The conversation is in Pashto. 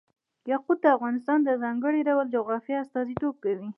یاقوت د افغانستان د ځانګړي ډول جغرافیه استازیتوب کوي.